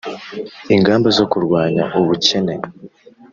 ingamba zo kurwanya ubukene